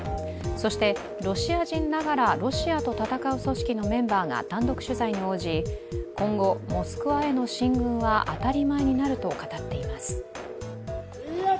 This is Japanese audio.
そしてロシア人ながらロシアと戦う組織のメンバーが単独取材に応じ今後、モスクワへの進軍は当たり前になると語っています。